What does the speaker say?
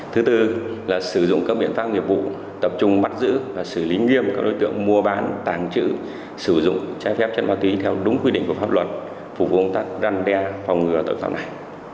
thứ tư là sử dụng các biện pháp nghiệp vụ tập trung bắt giữ và xử lý nghiêm các đối tượng mua bán tàng trữ sử dụng trái phép chất ma túy theo đúng quy định của pháp luật phục vụ công tác răn đe phòng ngừa tội phạm này